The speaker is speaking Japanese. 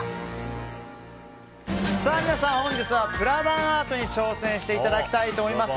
本日はプラバンアートに挑戦していただきたいと思います。